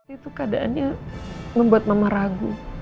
itu keadaannya membuat mama ragu